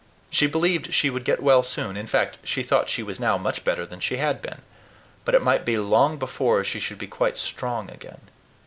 She believed she would get well soon; in fact, she thought she was now much better than she had been, but it might be long before she should be quite strong again.